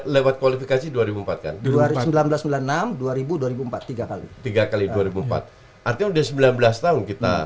lewat kualifikasi dua ribu empat kan dulu hari seribu sembilan ratus sembilan puluh enam dua ribu empat tiga kali tiga kali dua ribu empat arti udah sembilan belas tahun kita